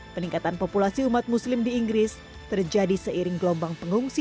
peningkatan populasi umat muslim di inggris terjadi seiring gelombang pengungsi